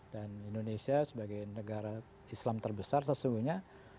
dan indonesia sebagai negara islam terbesar sesungguhnya